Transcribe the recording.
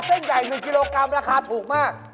เส้นใหญ่๑กิโลกรัมราคาถูกมาก